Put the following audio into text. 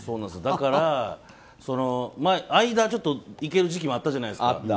だから間に行ける時期もあったじゃないですか。